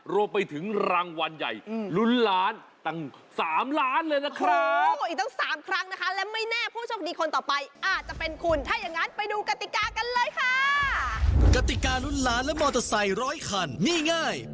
รวมไปถึงรางวัลใหญ่ลุ้นล้านตั้ง๓ล้านเลยนะครับ